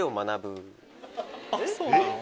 あっそうなの？